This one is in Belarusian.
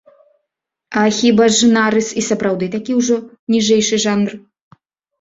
А хіба ж нарыс і сапраўды такі ўжо ніжэйшы жанр?